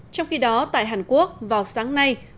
trong khi đó tại hàn quốc vào sáng nay